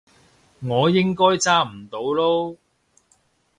我應該揸唔到嚕